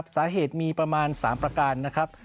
สาเหตุมีประมาณ๓ประการนะครับ